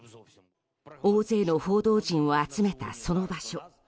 大勢の報道陣を集めたその場所。